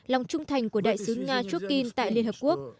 lòng trung thành của đại sứ nga choin tại liên hợp quốc